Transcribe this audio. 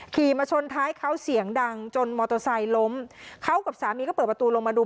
ขี่มาชนท้ายเขาเสียงดังจนมอเตอร์ไซค์ล้มเขากับสามีก็เปิดประตูลงมาดู